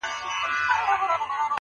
• یو ناڅاپه وو کوهي ته ور لوېدلې -